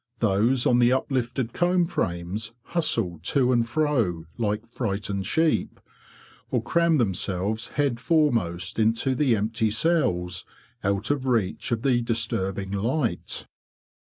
Those on the uplifted comb frames hustled to and fro like frightened sheep, or crammed themselves head foremost into the empty cells, out of reach of the disturbing light.